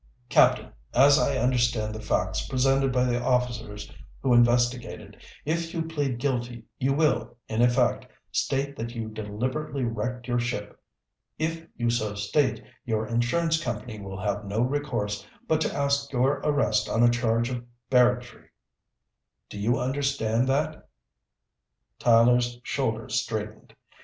"Captain, as I understand the facts presented by the officers who investigated, if you plead guilty you will, in effect, state that you deliberately wrecked your ship. If you so state, your insurance company will have no recourse but to ask your arrest on a charge of barratry. Do you understand that?" Tyler's shoulders straightened.